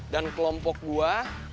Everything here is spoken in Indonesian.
dan kelompok gua